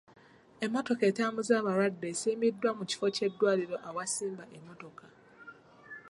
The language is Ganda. Emmotoka etambuza abalwadde esimbiddwa mu kifo ky'eddwaliro awasimba emmotoka.